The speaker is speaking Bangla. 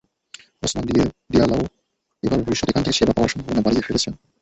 ওসমান দিয়ালোও এভাবে ভবিষ্যতে এখান থেকে সেবা পাওয়ার সম্ভাবনা বাড়িয়ে ফেলছেন।